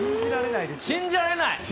信じられない。